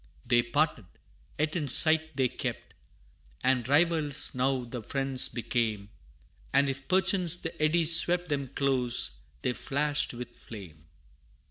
They parted, yet in sight they kept, And rivals now the friends became, And if, perchance, the eddies swept Them close, they flashed with flame.